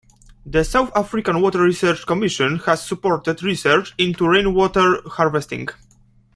The South African Water Research Commission has supported research into rainwater harvesting.